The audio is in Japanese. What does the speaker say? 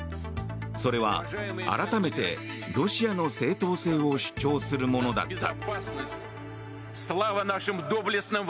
それは改めてロシアの正当性を主張するものだった。